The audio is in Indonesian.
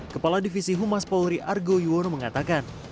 kepala divisi humas polri argo yuwono mengatakan